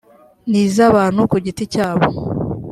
n iz abantu ku giti cyabo